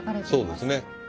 そうですね。